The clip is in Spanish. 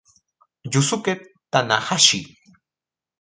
Yusuke Tanahashi